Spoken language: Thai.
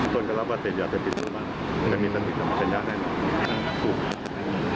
คนก็รับวาดเศรษฐ์ยาเศรษฐ์พิษภูมิจะมีทฤษฐรรมสัญญาณให้หน่อย